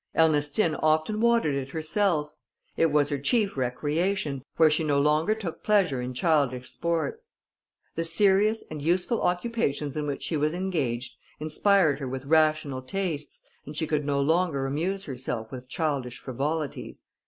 Ernestine often watered it herself; it was her chief recreation, for she no longer took pleasure in childish sports. The serious and useful occupations in which she was engaged, inspired her with rational tastes, and she could no longer amuse herself with childish frivolities.